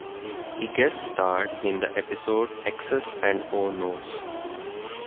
He guest starred in the episode Exes and Oh-No's!